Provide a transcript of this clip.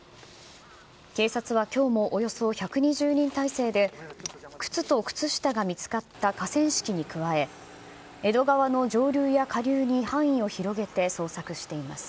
警察はきょうもおよそ１２０人態勢で靴と靴下が見つかった河川敷に加え、江戸川の上流や下流に範囲を広げて捜索しています。